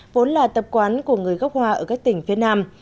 vốn là tập quán của người gốc hoa ở các tỉnh phía nam